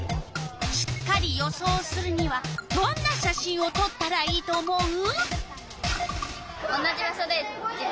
しっかり予想するにはどんな写真をとったらいいと思う？